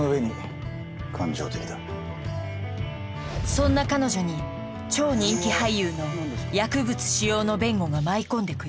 そんな彼女に超人気俳優の薬物使用の弁護が舞い込んでくる。